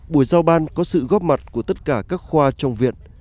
buổi giao ban có sự góp mặt của tất cả các khoa trong viện